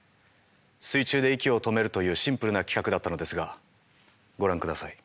水中で息を止めるというシンプルな企画だったのですがご覧ください。